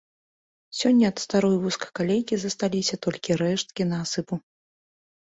Сёння ад старой вузкакалейкі засталіся толькі рэшткі насыпу.